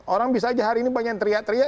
orang bisa aja hari ini banyak teriak teriak